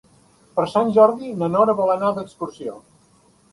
Per Sant Jordi na Nora vol anar d'excursió.